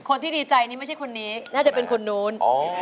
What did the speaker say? คนที่ดีใจนี่ไม่ใช่คนนี้น่าจะเป็นคนนู้น